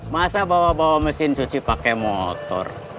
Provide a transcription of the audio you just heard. masa bawa bawa mesin cuci pakai motor